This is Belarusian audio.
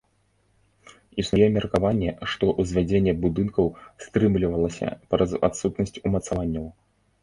Існуе меркаванне, што ўзвядзенне будынкаў стрымлівалася праз адсутнасць умацаванняў.